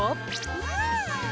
うん！